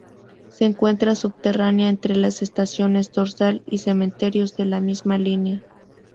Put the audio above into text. Se encuentra subterránea, entre las estaciones Dorsal y Cementerios de la misma línea.